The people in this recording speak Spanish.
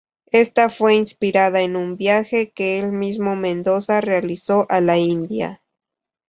Esta fue inspirada en un viaje que el mismo Mendoza realizó a la India.